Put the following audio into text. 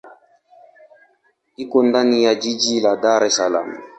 Iko ndani ya jiji la Dar es Salaam.